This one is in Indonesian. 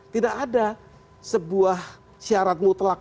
tidak ada sebuah syarat mutlak